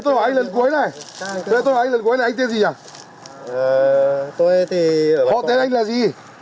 tên thì quan trọng gì